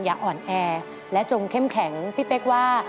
อย่าอ่อนแอและจงเข้มแข็งพี่เป๊กว่า